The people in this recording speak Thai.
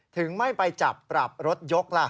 ถึงไม่ไปจับปรับรถยกล่ะ